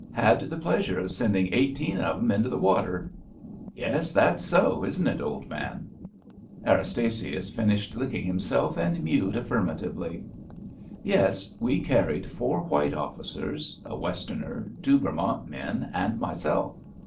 Had the pleasure of sending eighteen of 'em into the water. Yes, that's so, isn't it, old man? " Erastasius finished licking himself and mewed affirmatively. Yes, we carried four white officers — a West erner, two Vermont men, and myself.